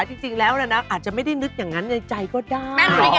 จริงแล้วนะอาจจะไม่ได้นึกอย่างนั้นในใจก็ได้